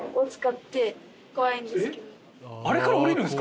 怖いんですけど。